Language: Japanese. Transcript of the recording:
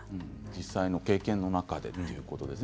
実際の経験の中でということですね。